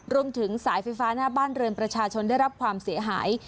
รวมถึงสายไฟฟ้าหน้าบ้านเรือนประชาชนได้รับความเสียหาย